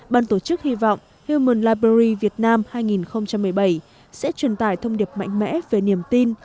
ban tổ chức hy vọng human libbury việt nam hai nghìn một mươi bảy sẽ truyền tải thông điệp mạnh mẽ về niềm tin